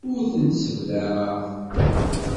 Ur tent-sseblaɛeɣ.